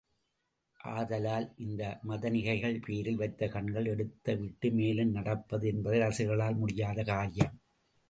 ஆதலால் இந்த மதனிகைகள் பேரில் வைத்த கண்களை எடுத்து விட்டு மேலும் நடப்பது என்பது ரசிகர்களால் முடியாத காரியம்.